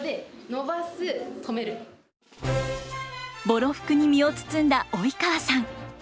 ボロ服に身を包んだ及川さん。